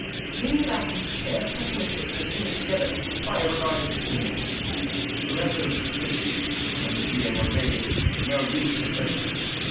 Leaning back in his chair, pressing the tips of his fingers together, Pryor regarded the ceiling. "Letter's fishy, and, being undated, no use as evidence.